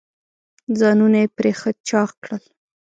ځانونه یې پرې ښه چاغ کړل.